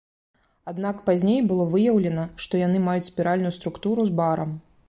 Аднак пазней было выяўлена, што яны маюць спіральную структуру з барам.